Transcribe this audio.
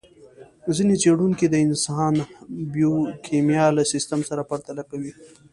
ځينې څېړونکي د انسان بیوکیمیا له سیستم سره پرتله کوي.